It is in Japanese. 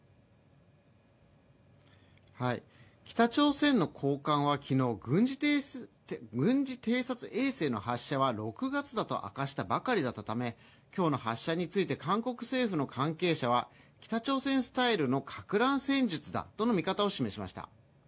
北朝鮮の高官は昨日、軍事偵察衛星の発射は６月だと明かしたばかりだったため今日の発車について韓国政府の関係者は北朝鮮スタイルのかく乱戦術だとの見方を示しました。